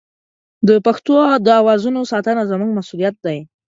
د پښتو د اوازونو ساتنه زموږ مسوولیت دی.